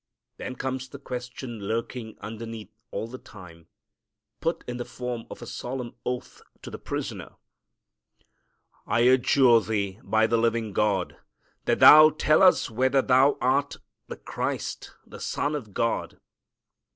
Then comes the question lurking underneath all the time, put in the form of a solemn oath to the prisoner, "I adjure Thee by the living God, that Thou tell us whether Thou art the Christ, the Son of God."